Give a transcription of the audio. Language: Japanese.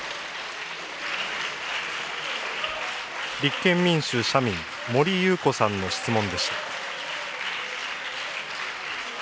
立憲民主・社民、森ゆうこさんの質問でした。